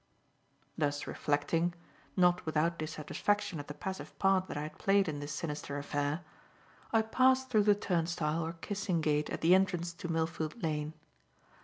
Thus reflecting not without dissatisfaction at the passive part that I had played in this sinister affair I passed through the turnstile, or "kissing gate," at the entrance to Millfield Lane.